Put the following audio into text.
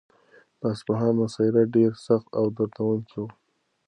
د اصفهان محاصره ډېره سخته او دردونکې وه.